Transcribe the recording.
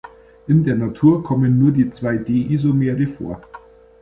In der Natur kommen nur die zwei D-Isomere vor.